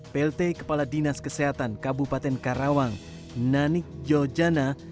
plt kepala dinas kesehatan kabupaten karawang nanik jojana